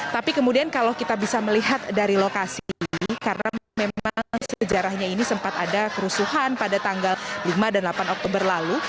tapi kemudian kalau kita bisa melihat dari lokasi ini karena memang sejarahnya ini sempat ada kerusuhan pada tanggal lima dan delapan oktober lalu